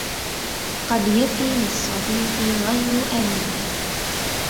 قد يفي للصديق غير أمينه